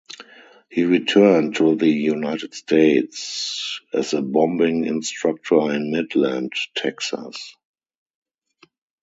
He returned to the United States as a bombing instructor in Midland, Texas.